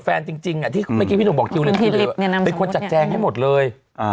แฟนจริงที่พี่หนูบอกดิวเรื่องที่หรือเป็นคนจัดแจงให้หมดเลย